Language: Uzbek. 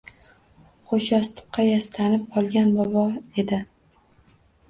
Qo‘shyostiqqa yastanib olgan bobo edi.